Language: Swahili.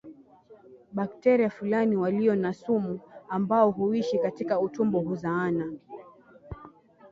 Bakteria fulani walio na sumu ambao huishi katika utumbo huzaana